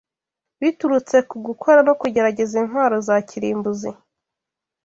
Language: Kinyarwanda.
biturutse ku gukora no kugerageza intwaro za kirimbuzi